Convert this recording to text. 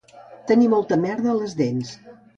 Tenir molta merda a les dents